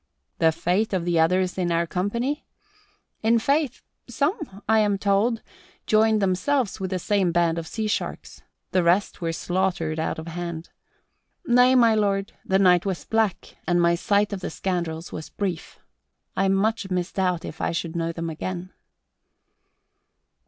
The fate of the others in our company? In faith, some, I am told, joined themselves with that same band of sea sharks. The rest were slaughtered out of hand. Nay, my lord, the night was black and my sight of the scoundrels was brief. I much misdoubt if I should know them again."